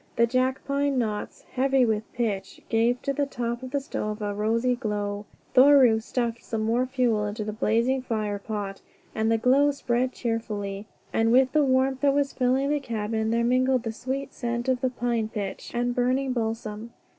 The jack pine knots, heavy with pitch, gave to the top of the stove a rosy glow. Thoreau stuffed more fuel into the blazing firepot, and the glow spread cheerfully, and with the warmth that was filling the cabin there mingled the sweet scent of the pine pitch and burning balsam.